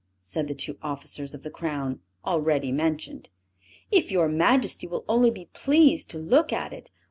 said the two officers of the crown, already mentioned. "If your Majesty will only be pleased to look at it!